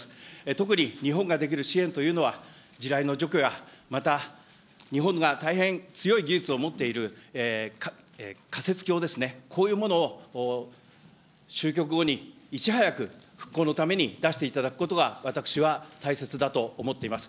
特に、日本ができる支援というのは、地雷の除去や、また、日本が大変強い技術を持っているかせつきょうですね、こういうものを終局後にいち早く、復興のために出していただくことが、私は大切だと思っています。